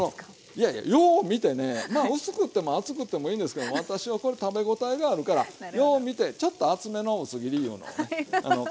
いやいやよう見てね薄くっても厚くってもいいんですけど私はこれ食べ応えがあるからよう見てちょっと厚めの薄切りいうのを買ってくるということです。